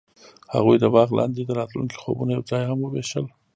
هغوی د باغ لاندې د راتلونکي خوبونه یوځای هم وویشل.